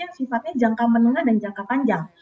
yang sifatnya jangka menengah dan jangka panjang